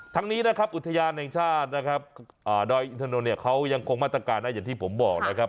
ทั้งนี้นะครับอุทยานแห่งชาตินะครับดอยอินทนนท์เนี่ยเขายังคงมาตรการนะอย่างที่ผมบอกนะครับ